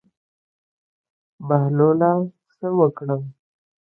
بهلوله څه وکړم.